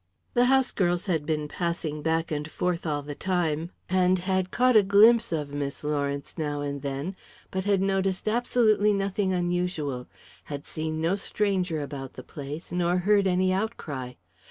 The house girls had been passing back and forth all the time, and had caught a glimpse of Miss Lawrence now and then, but had noticed absolutely nothing unusual, had seen no stranger about the place, nor heard any outcry.